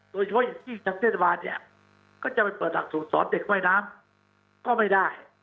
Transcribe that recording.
โดยเฉพาะที่จักรเทศบาลจะไปเปิดหักสรุนสอนเด็กมายน้ำก็ไม่ได้